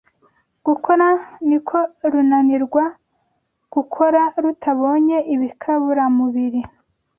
gukora, niko runanirwa gukora rutabonye ibikaburamubiri